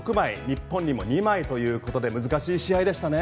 日本にも２枚ということで難しい試合でしたね。